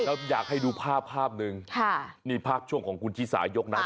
ท่านธรรมอยากให้ดูภาพภาพหนึ่งนี่ภาพช่วงของคุณชิสายกน้ำ